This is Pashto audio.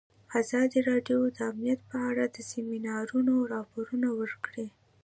ازادي راډیو د امنیت په اړه د سیمینارونو راپورونه ورکړي.